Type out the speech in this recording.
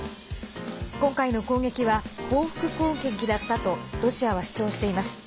今回の攻撃は報復攻撃だったとロシアは主張しています。